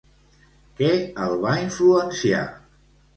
Què el va influenciar?